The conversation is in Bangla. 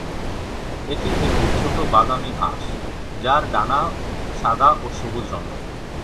এটি একটি ছোট বাদামি হাঁস, যার ডানা সাদা ও সবুজ রঙের।